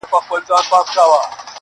بولي یې د خدای آفت زموږ د بد عمل سزا،